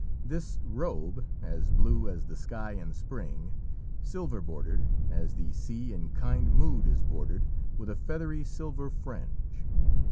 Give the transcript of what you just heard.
This robe, as blue as the sky in spring silver bordered, as the sea in kind mood is bordered with a feathery silver fringe.